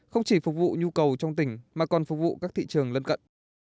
không chỉ phục vụ nhu cầu trong tỉnh mà còn phục vụ các thị trường lân cận